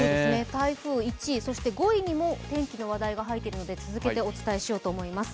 台風１位、そして５位にも天気の話題が入っているので、続けてお伝えしようと思います。